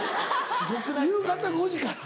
夕方５時から。